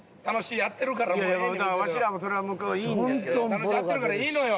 楽しくやってるからいいのよ。